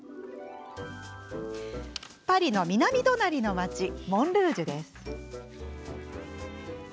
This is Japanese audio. パリの南隣の街、モンルージュ。